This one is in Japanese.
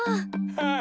ああ。